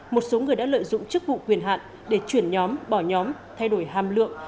một số người đã lợi dụng chức vụ quyền hạn để chuyển nhóm bỏ nhóm thay đổi hàm lượng